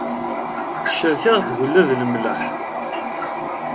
Tecrek-aɣ tagella d lemleḥ.